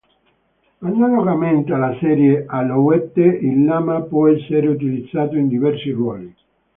Analogamente alla serie Alouette, il Lama può essere utilizzato in diversi ruoli.